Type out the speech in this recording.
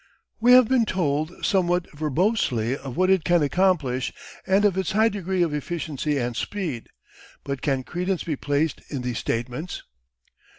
We have been told somewhat verbosely of what it can accomplish and of its high degree of efficiency and speed. But can credence be placed in these statements?